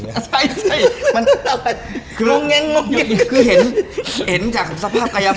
ใช่มันคืองงคือเห็นจากสภาพกายภาพ